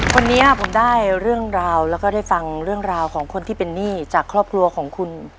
วันนี้ผมได้เรื่องราวแล้วก็ได้ฟังเรื่องราวของคนที่เป็นหนี้จากครอบครัวของคุณ